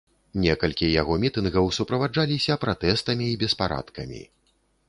Некалькі яго мітынгаў суправаджаліся пратэстамі і беспарадкамі.